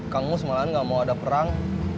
kang mus malah nggak mau ada perang